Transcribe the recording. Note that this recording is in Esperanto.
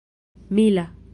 mila